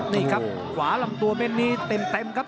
นี่ครับขวาลำตัวเม็ดนี้เต็มครับ